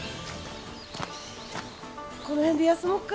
この辺で休もっか？